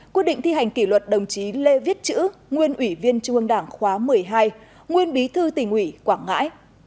hai quy định thi hành kỷ luật đồng chí lê viết chữ nguyên ủy viên trung mương đảng khóa một mươi hai nguyên bí thư tỉnh ủy quảng ngãi